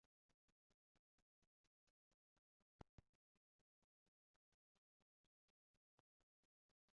La komunumo ankaŭ atingeblas per ŝipo ek de Ŝafhaŭzo kaj Konstanco.